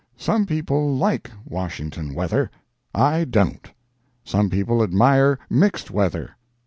Some people like Washington weather. I don't. Some people admire mixed weather.